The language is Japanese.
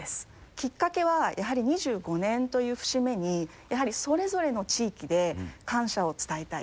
きっかけはやはり、２５年という節目に、やはりそれぞれの地域で感謝を伝えたい。